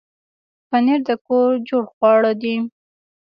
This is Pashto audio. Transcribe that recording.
پنېر د کور جوړ خواړه دي.